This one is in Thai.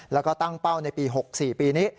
แล้วก็ตั้งเป้าในปี๖๔ปีนี้